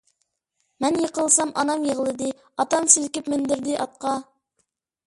مەن يىقىلسام ئانام يىغلىدى، ئاتام سىلكىپ مىندۈردى ئاتقا.